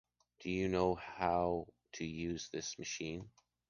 Do you know how to use this machine?